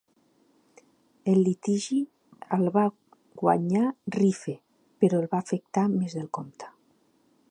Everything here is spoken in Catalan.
El litigi el va guanyar Rife però el va afectar més del compte.